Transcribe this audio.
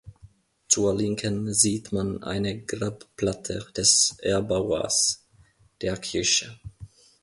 Zur Linken sieht man eine Grabplatte des Erbauers der Kirche.